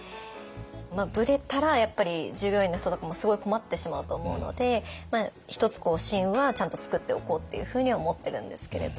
ブレたらやっぱり従業員の人とかもすごい困ってしまうと思うので一つ芯はちゃんと作っておこうっていうふうには思ってるんですけれど